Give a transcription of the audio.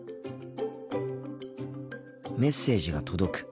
メッセージが届く。